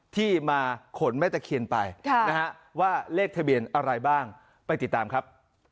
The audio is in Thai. ที่มาขนแม่ตะเคียนไปนะฮะว่าเลขทะเบียนอะไรบ้างไปติดตามครับ